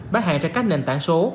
bán hàng ra các nền tảng số